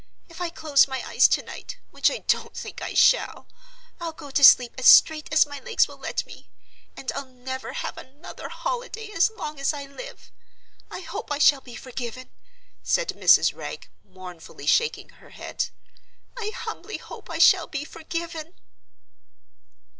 If I close my eyes to night—which I don't think I shall—I'll go to sleep as straight as my legs will let me. And I'll never have another holiday as long as I live. I hope I shall be forgiven," said Mrs. Wragge, mournfully shaking her head. "I humbly hope I shall be forgiven."